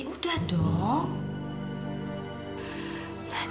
ya udah dong